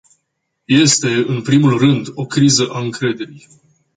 Este, în primul rând, o criză a încrederii.